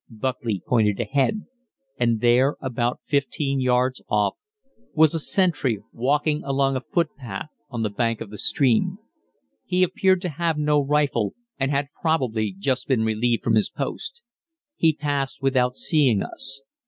Buckley pointed ahead, and there, about 15 yards off, was a sentry walking along a footpath on the bank of the stream. He appeared to have no rifle, and had probably just been relieved from his post. He passed without seeing us.